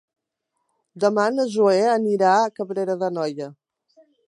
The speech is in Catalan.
Demà na Zoè anirà a Cabrera d'Anoia.